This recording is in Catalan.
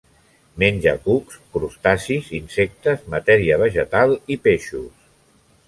Menja cucs, crustacis, insectes, matèria vegetal i peixos.